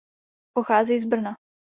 Pochází z Brna.